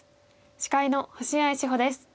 司会の星合志保です。